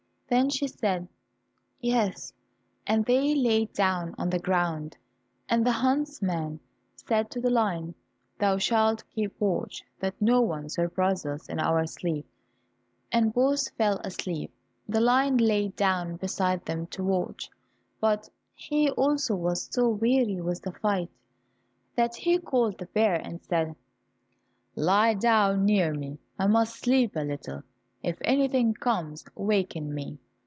Then she said, "yes," and they lay down on the ground, and the huntsman said to the lion, "Thou shalt keep watch, that no one surprises us in our sleep," and both fell asleep. The lion lay down beside them to watch, but he also was so weary with the fight, that he called to the bear and said, "Lie down near me, I must sleep a little: if anything comes, waken me."